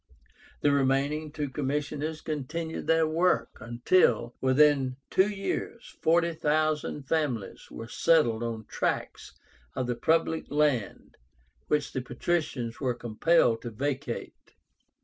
The remaining two commissioners continued their work, until, within two years, 40,000 families were settled on tracts of the public land which the patricians were compelled to vacate.